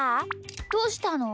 どうしたの？